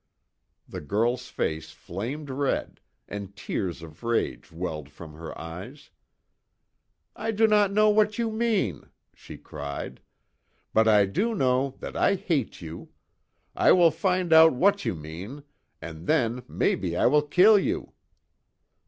The girl's face flamed red, and tears of rage welled from her eyes: "I do not know what you mean!" she cried, "But I do know that I hate you! I will find out what you mean and then maybe I will kill you."